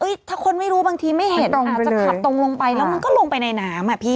ถ้าคนไม่รู้บางทีไม่เห็นอาจจะขับตรงลงไปแล้วมันก็ลงไปในน้ำอ่ะพี่